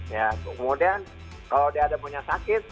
ya kemudian kalau dia ada maunya sakit